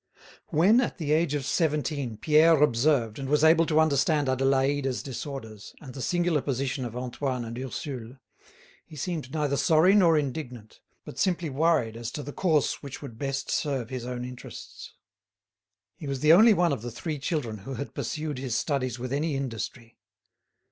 When, at the age of seventeen, Pierre observed and was able to understand Adélaïde's disorders and the singular position of Antoine and Ursule, he seemed neither sorry nor indignant, but simply worried as to the course which would best serve his own interests. He was the only one of the three children who had pursued his studies with any industry.